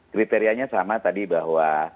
kriterianya sama tadi bahwa